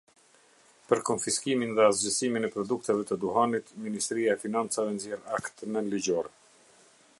Për konfiskimin dhe asgjësimin e produkteve të duhanit, Ministria e Financave nxjerr akt nënligjor.